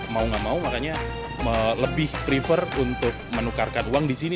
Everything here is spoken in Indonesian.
mau gak mau makanya lebih prefer untuk menukarkan uang di sini